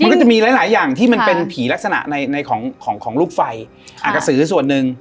มันก็จะมีหลายหลายอย่างที่มันเป็นผีลักษณะในในของของลูกไฟอาจจะสือส่วนหนึ่ง